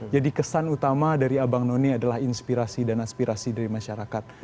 jadi kesan utama dari abang none adalah inspirasi dan aspirasi dari masyarakat